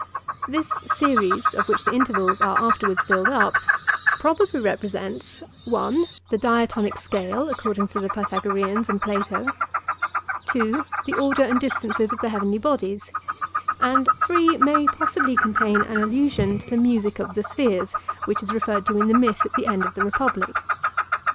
This series, of which the intervals are afterwards filled up, probably represents (1) the diatonic scale according to the Pythagoreans and Plato; (2) the order and distances of the heavenly bodies; and (3) may possibly contain an allusion to the music of the spheres, which is referred to in the myth at the end of the Republic.